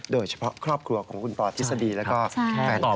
โดยเฉพาะครอบครัวของคุณพอทฤษฎีและแฟนครับ